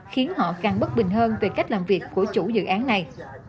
khiến họ càng bất bình hơn về cách làm việc của chủ dự án này